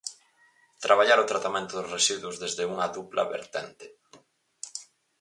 Traballar o tratamento dos residuos desde unha dupla vertente.